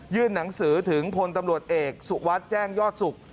หนังสือถึงพลตำรวจเอกสุวัสดิ์แจ้งยอดศุกร์